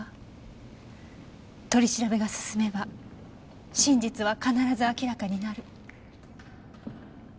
取り調べが進めば真実は必ず明らかになる。